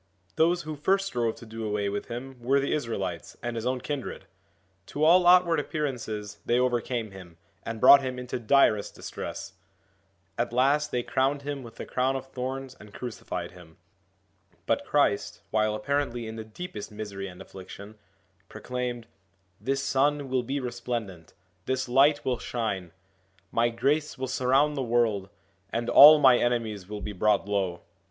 Those who first strove to do away with him were the Israelites and his own kindred. To all outward appearances they overcame him, and brought him into direst distress. At last they crowned him with the crown of thorns and crucified him. But Christ, while apparently in the deepest misery and affliction, proclaimed :' This Sun will be resplendent, this Light will shine, my grace will surround the world, and all my enemies will be brought low.'